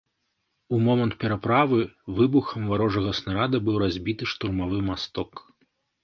У момант пераправы выбухам варожага снарада быў разбіты штурмавы масток.